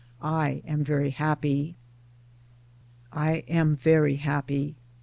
I am very happy. I am very happy.